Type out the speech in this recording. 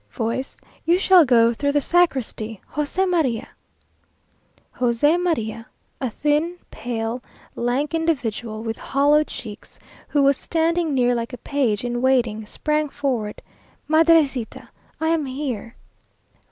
Voice. "You shall go through the sacristy. José María!" José María, a thin, pale, lank individual, with hollow cheeks, who was standing near like a page in waiting, sprang forward "Madrecita, I am here!"